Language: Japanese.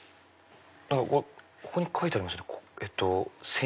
ここに書いてありますね。